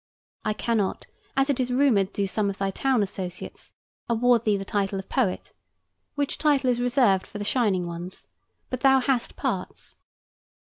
I cannot, as it is rumored do some of thy town associates, award thee the title of poet, which title is reserved for the shining ones; but thou hast parts.